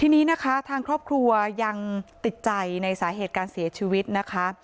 ทีนี้นะคะทางครอบครัวยังติดใจในสาเหตุการเสียชีวิตนะคะ